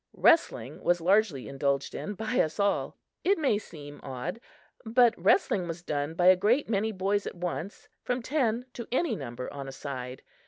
Wrestling was largely indulged in by us all. It may seem odd,, but wrestling was done by a great many boys at once from ten to any number on a side.